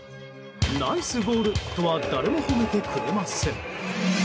ナイスゴールとは誰も褒めてくれません。